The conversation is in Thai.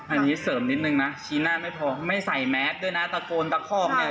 อันนี้เสริมนิดนึงนะชี้หน้าไม่พอไม่ใส่แมสด้วยนะตะโกนตะคอกเนี่ย